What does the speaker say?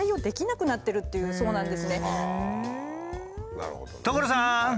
なるほどね。